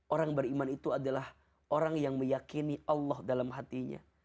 orang beriman itu adalah orang yang meyakini allah dalam hatinya